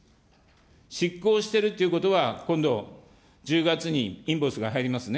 失効してるということは、今度、１０月にインボイスが入りますね。